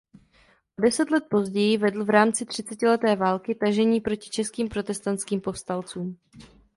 O deset let později vedl v rámci třicetileté války tažení proti českým protestantským povstalcům.